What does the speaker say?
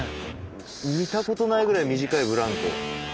見たことないぐらい短いブランコ。